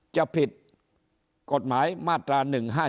จะผิดกฎหมายมาตรา๑๕๗